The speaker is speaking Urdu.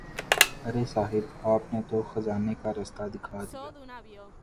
ارے صاحب آپ نے تو خزانے کا راستہ دکھا دیا۔